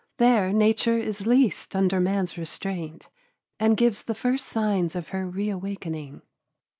There nature is least under man's restraint and gives the first signs of her reawakening.